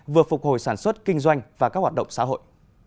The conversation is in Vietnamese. vừa phục hồi sản xuất kinh doanh và các hoạt động xã hội